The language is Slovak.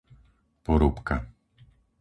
Porúbka